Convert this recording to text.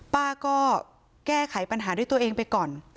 ป้าก็แก้ไขปัญหาด้วยตัวเองไปก่อน